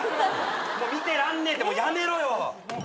もう見てらんねえってやめろよ。